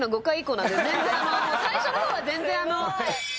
最初の方は全然。